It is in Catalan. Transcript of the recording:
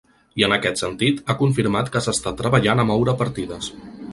I en aquest sentit, ha confirmat que s’està treballant a moure partides.